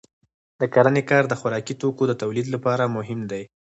د کرنې کار د خوراکي توکو د تولید لپاره مهم دی.